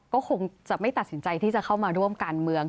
ก็คงจะไม่ตัดสินใจที่จะเข้ามาร่วมการเมือง